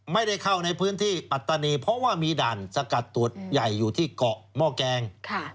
ไม่ได้เข้าในพื้นที่ปัตตานีเพราะว่ามีด่านสกัดตรวจใหญ่อยู่ที่เกาะหม้อแกง